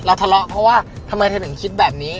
ทะเลาะเพราะว่าทำไมเธอถึงคิดแบบนี้